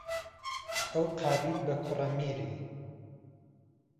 ئهو قابیل به کوڕهمیری